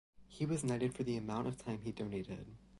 He was knighted for the amount of time he donated.